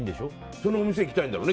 そのお店行きたいんだろうね